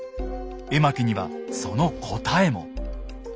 絵巻にはその答えも。